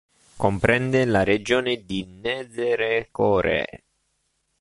Comprende la Regione di Nzérékoré.